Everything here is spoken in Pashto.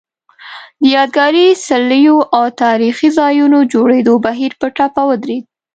د یادګاري څلیو او تاریخي ځایونو جوړېدو بهیر په ټپه ودرېد